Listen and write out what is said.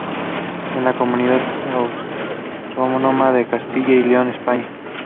Leading all the way up to her gruesome demise.